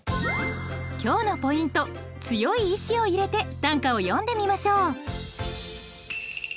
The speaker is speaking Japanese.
今日のポイント強い意志を入れて短歌を詠んでみましょう。